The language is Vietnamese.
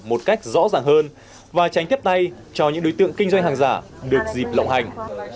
một cách rõ ràng hơn và tránh tiếp tay cho những đối tượng kinh doanh hàng giả được dịp lộng hành